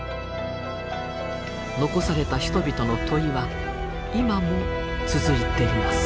残された人々の問いは今も続いています。